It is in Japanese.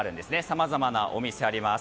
さまざまなお店があります。